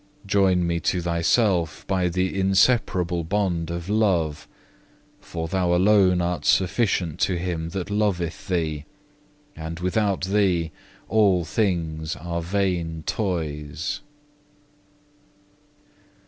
Join me to Thyself by the inseparable bond of love, for Thou alone art sufficient to him that loveth Thee, and without Thee all things are vain toys.